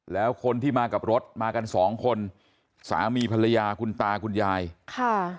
แล้วคนที่มากับรถมากันสองคนสามีภรรยาคุณตาคุณยายค่ะ